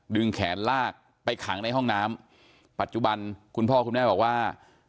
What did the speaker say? แขนลากไปขังในห้องน้ำปัจจุบันคุณพ่อคุณแม่บอกว่า